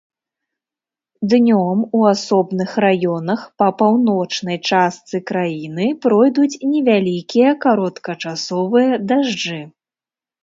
Днём у асобных раёнах па паўночнай частцы краіны пройдуць невялікія кароткачасовыя дажджы.